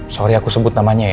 sorry aku sebut namanya ya